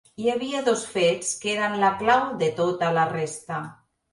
Hi havia dos fets que eren la clau de tota la resta.